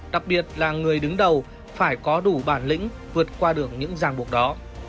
đặc biệt là người đứng đầu phải có đủ bản lĩnh vượt qua đường những giang buộc đó